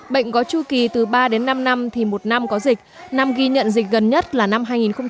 bệnh có chu kỳ từ ba đến năm năm thì một năm có dịch năm ghi nhận dịch gần nhất là năm hai nghìn một mươi